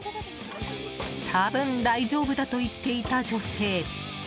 多分大丈夫だと言っていた女性。